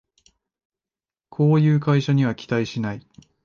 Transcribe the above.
こういう会社には期待しない